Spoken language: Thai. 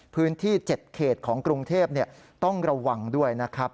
พื้นที่๗เขตของกรุงเทพต้องระวังด้วยนะครับ